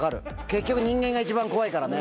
結局人間が一番怖いからね。